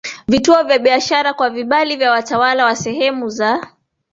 vituo vya biashara kwa vibali vya watawala wa sehemu za